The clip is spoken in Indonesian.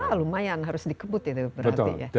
wah lumayan harus dikebut itu berarti ya